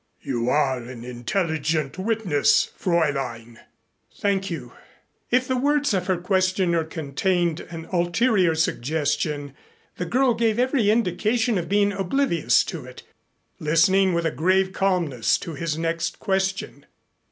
You are an intelligent witness, Fräulein." "Thank you." If the words of her questioner contained an ulterior suggestion, the girl gave every indication of being oblivious to it, listening with a grave calmness to his next question.